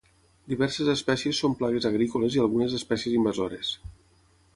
Diverses espècies són plagues agrícoles i algunes espècies invasores.